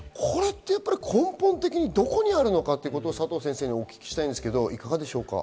根本的にどこにあるのかってことを佐藤先生にお聞きしたいんですけど、いかがでしょうか？